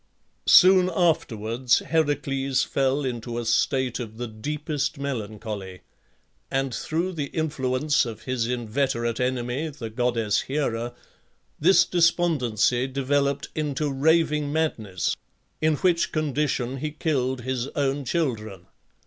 Soon afterwards Heracles fell into a state of the deepest melancholy, and through the influence of his inveterate enemy, the goddess Hera, this despondency developed into raving madness, in which condition he killed his own children.